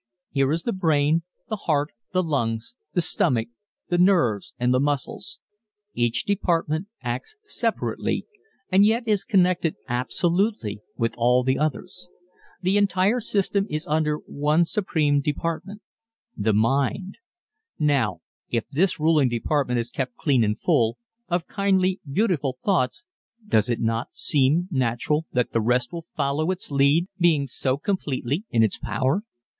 Here is the brain, the heart, the lungs, the stomach, the nerves and the muscles. Each department acts separately and yet is connected absolutely with all the others. The entire system is under one supreme department ... the mind. Now if this ruling department is kept clean and full, of kindly, beautiful thoughts does it not seem natural that the rest will follow its lead being so completely in its power?